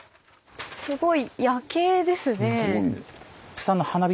すごい夜景ですね。